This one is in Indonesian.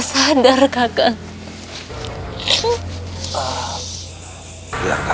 vestiew ini bukan milik manusianya